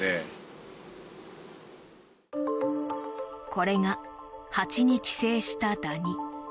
これが蜂に寄生したダニ。